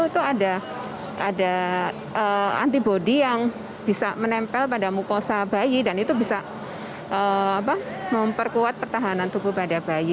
itu ada antibody yang bisa menempel pada mukosa bayi dan itu bisa memperkuat pertahanan tubuh pada bayi